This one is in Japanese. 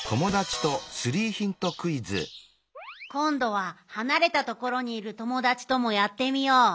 こんどははなれたところにいるともだちともやってみよう。